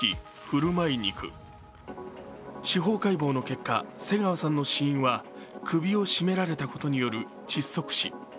司法解剖の結果、瀬川さんの死因は首を絞められたことによる窒息死。